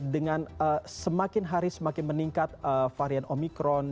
dengan semakin hari semakin meningkat varian omikron